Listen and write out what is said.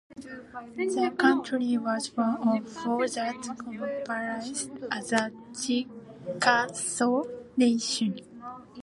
The county was one of four that comprised the Chickasaw Nation.